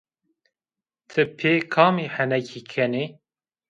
Ti pê kamî henekî kenî?